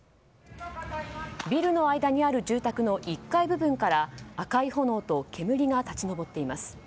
ビルの間にある住宅の１階部分から赤い炎と煙が立ち上っています。